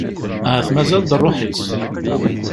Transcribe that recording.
Ahat mazal-d rruḥ-is.